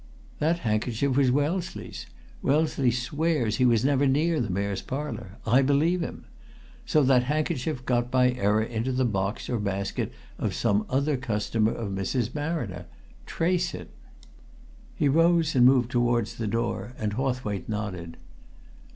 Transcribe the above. That handkerchief was Wellesley's. Wellesley swears he was never near the Mayor's Parlour. I believe him! So that handkerchief got by error into the box or basket of some other customer of Mrs. Marriner. Trace it!" He rose and moved towards the door, and Hawthwaite nodded.